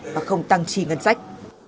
và không tăng trì ngân sách